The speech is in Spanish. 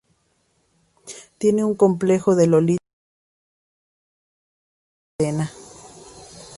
Tiene un complejo de Lolita y por eso se siente atraída a Athena.